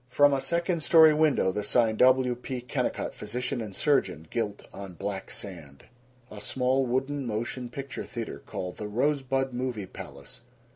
From a second story window the sign "W. P. Kennicott, Phys. & Surgeon," gilt on black sand. A small wooden motion picture theater called "The Rosebud Movie Palace."